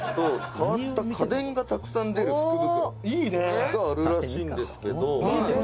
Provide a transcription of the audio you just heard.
「変わった家電がたくさん出る福袋があるらしいんですけど」